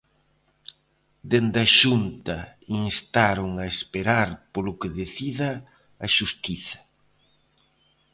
Dende a Xunta instaron a esperar polo que decida a xustiza.